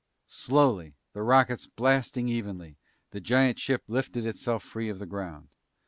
Slowly, the rockets blasting evenly, the giant ship lifted itself free of the ground.